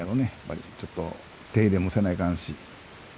ちょっと手入れもせないかんし。